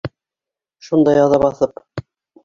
Шунда яҙа баҫып...